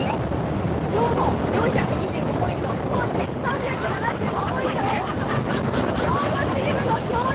兵庫４２５ポイント高知３７５ポイントで兵庫チームの勝利！